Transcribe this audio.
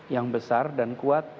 yang besar dan kuat